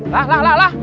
lah lah lah lah